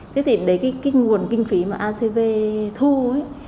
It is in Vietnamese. thế thì đấy cái nguồn kinh phí mà acv thu ấy